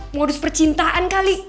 modus percintaan kali